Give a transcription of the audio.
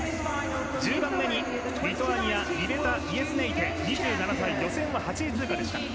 １０番目にリトアニアリベタ・イェスネイテ２７歳、予選は８位通過でした。